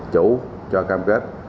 chủ cho cam kết